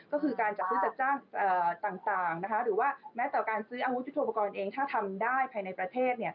ก็คือการจัดซื้อจัดจ้างต่างหรือว่าแม้แต่การซื้ออาวุธยุทธโปรกรณ์เองถ้าทำได้ภายในประเทศ